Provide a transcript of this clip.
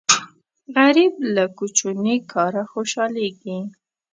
غریب له کوچني کاره خوشاليږي